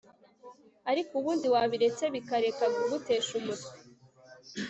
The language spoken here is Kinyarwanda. Ariko ubundi wabiretse bikareka kugutesha umutwe